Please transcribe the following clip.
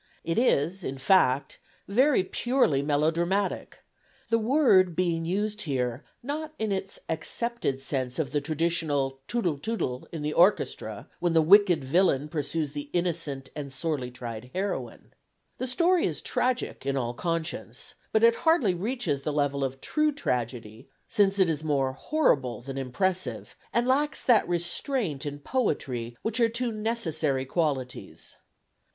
It is, in fact, very purely melodramatic, the word being used here not in its accepted sense of the traditional "tootle tootle" in the orchestra when the wicked villain pursues the innocent and sorely tried heroine. The story is tragic in all conscience, but it hardly reaches the level of true tragedy, since it is more horrible than impressive, and lacks that restraint and poetry which are two necessary qualities.